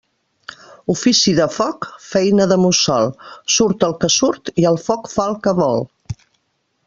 Ofici de foc, feina de mussol; surt el que surt i el foc fa el que vol.